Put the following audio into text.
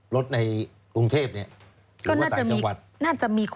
รถในกรุงเทพนี่หรือว่าใต้จังหวัดก็น่าจะมี